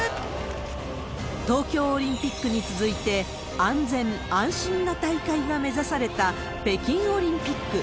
東京オリンピックに続いて、安全・安心な大会が目指された北京オリンピック。